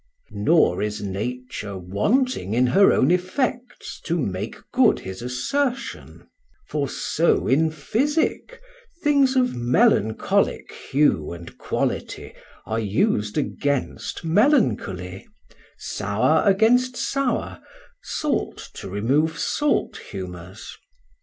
Nor is Nature wanting in her own effects to make good his assertion: for so in Physic things of melancholic hue and quality are us'd against melancholy, sowr against sowr, salt to remove salt humours.